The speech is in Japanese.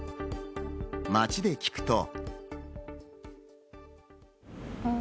街で聞くと。